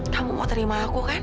kamu mau terima aku kan